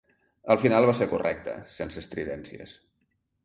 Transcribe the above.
El final va ser correcte, sense estridències.